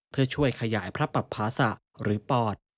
เพื่อช่วยขยายพระปับภาษะหรือปอด